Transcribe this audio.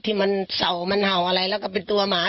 ที่มันเศร้ามันเห่าอะไรแล้วก็เป็นตัวหมา